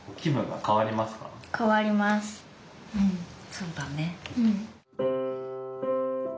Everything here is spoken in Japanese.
そうだね。